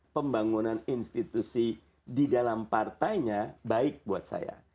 pembangunan institusi di dalam partainya baik buat saya